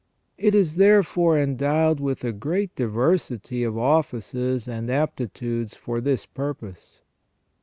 It is therefore en dowed with a great diversity of offices and aptitudes for this purpose.